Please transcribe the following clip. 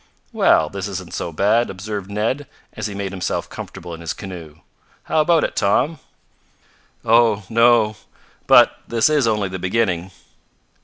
"Well, this isn't so bad," observed Ned, as he made himself comfortable in his canoe. "How about it, Tom?" "Oh, no. But this is only the beginning."